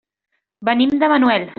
Venim de Manuel.